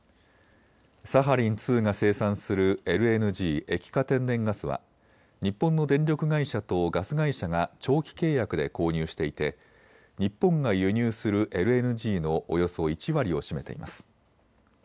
サハリン２が生産するＬＮＧ・液化天然ガスは日本の電力会社とガス会社が長期契約で購入していて日本が輸入するＬＮＧのおよそ１割を占めています。